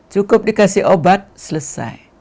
cukup dikasih obat selesai